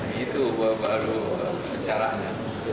itu baru caranya